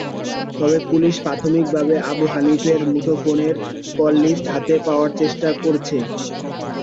তবে পুলিশ প্রাথমিকভাবে আবু হানিফের মুঠোফোনের কললিস্ট হাতে পাওয়ার চেষ্টা করছে।